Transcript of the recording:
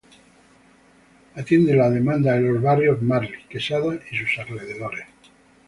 Atiende la demanda de los barrios Marly, Quesada y sus alrededores.